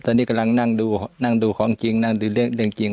ตอนนี้กำลังนั่งดูนั่งดูของจริงนั่งดูเรื่องจริง